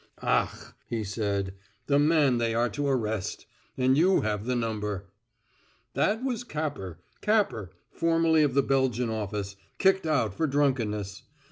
"Ach!" he said. "The man they are to arrest. And you have the number." "That was Capper Capper, formerly of the Belgian office kicked out for drunkenness.